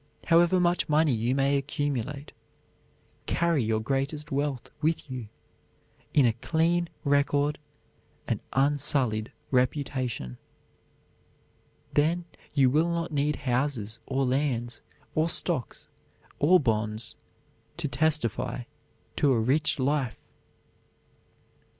However much money you may accumulate, carry your greatest wealth with you, in a clean record, an unsullied reputation. Then you will not need houses or lands or stocks or bonds to testify to a rich life.